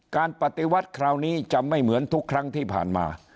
การปฏิวัติคราวนี้จะไม่เหมือนทุกครั้งที่ผ่านมา